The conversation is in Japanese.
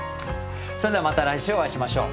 それではまた来週お会いしましょう。